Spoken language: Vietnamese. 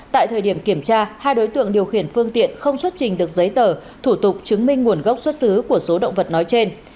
tại thời điểm kiểm tra hai đối tượng điều khiển phương tiện không xuất trình được giấy tờ thủ tục chứng minh nguồn gốc xuất xứ của số động vật nói trên